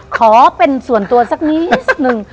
ขอเป็นส่วนตัวสักนิดหนึ่ง